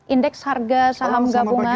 indeks harga saham gabungan